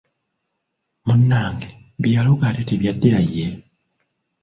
Munnange bye yaloga ate tebyaddira ye?